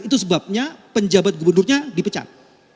itu sebabnya penjabat gubernurnya dipecat